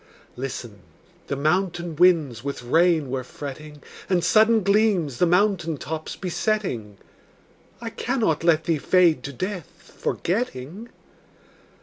Listen: the mountain winds with rain were fretting, And sudden gleams the mountain tops besetting. I cannot let thee fade to death, forgetting.